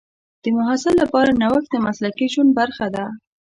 د محصل لپاره نوښت د مسلکي ژوند برخه ده.